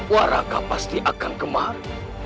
waraka pasti akan kemari